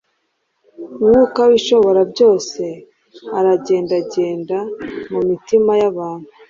Mwuka w’Ishoborabyose aragendagenda mu mitima y’abantu,